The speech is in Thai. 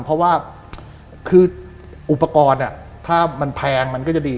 เพราะว่าคืออุปกรณ์ถ้ามันแพงมันก็จะดี